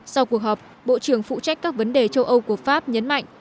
sau cuộc họp bộ trưởng phụ trách các vấn đề châu âu của pháp nhấn mạnh